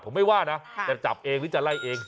ผมไม่ว่านะจะจับเองหรือจะไล่เอง